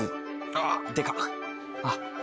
あっでかっ！